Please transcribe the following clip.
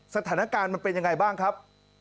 สถานการณ์มันเป็นยังไงบ้างครับ